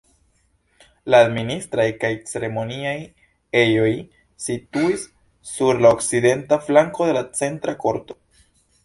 La administraj kaj ceremoniaj ejoj situis sur la okcidenta flanko de la centra korto.